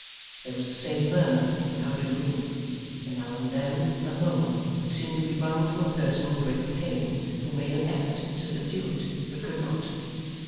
There was the same murmuring in the outer room, and now and then a moan which seemed to be wrung from a person in great pain, who made an effort to subdue it, but could not.